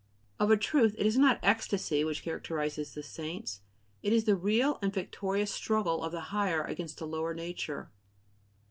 Of a truth, it is not ecstasy which characterizes the saints; it is the real and victorious struggle of the higher against the lower nature.